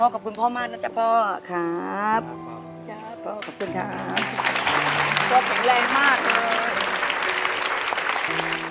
พ่อขอขอบคุณพ่อมากนะจ๊ะพ่อครับพ่อขอบคุณครับคุณตั๊กผมแรงมากเลย